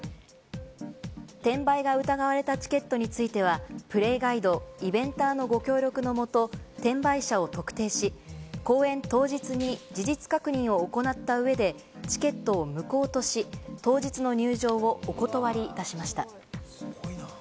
転売が疑われたチケットについては、プレイガイド、イベンターのご協力のもと、転売者を特定し、公演当日に事実確認を行った上でチケットを無効とし、当日の入場をお断りいたしました。